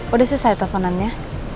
udah selesai telponannya